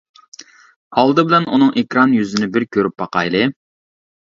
ئالدى بىلەن ئۇنىڭ ئېكران يۈزىنى بىر كۆرۈپ باقايلى.